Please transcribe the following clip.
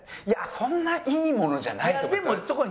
いやそんないいものじゃないと思います。